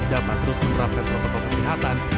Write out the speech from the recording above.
dapat terus menerapkan protokol kesehatan